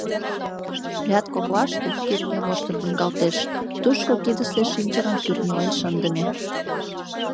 Ряд коклаште кӱртньӧ воштыр лӱҥгалтеш, тушко кидысе шинчырым кӱртньылен шындыме.